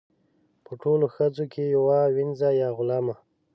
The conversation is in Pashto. په ټولو ښځو کې یوه وینځه یا غلامه.